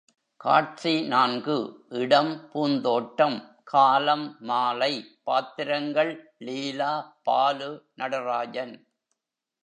காட்சி நான்கு இடம் பூந்தோட்டம் காலம் மாலை பாத்திரங்கள் லீலா, பாலு, நடராஜன்.